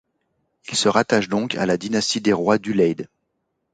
Il se rattache donc à la dynastie des rois d’Ulaid.